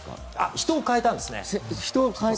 人を代えたんですね。